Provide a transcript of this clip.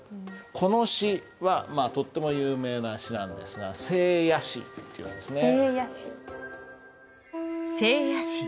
この詩はまあとっても有名な詩なんですが「静夜思」っていうんですね。